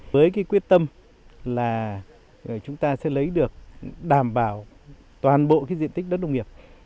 với quyết tâm là chúng ta sẽ lấy được đảm bảo toàn bộ diện tích đất nông nghiệp